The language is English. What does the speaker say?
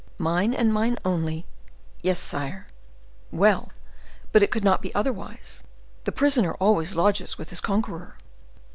"Mine and mine only; yes, sire." "Well! but it could not be otherwise—the prisoner always lodges with his conqueror."